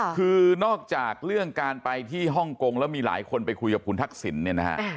คือนอกจากเรื่องการไปที่ฮ่องกงแล้วมีหลายคนไปคุยกับคุณทักษิณเนี่ยนะฮะ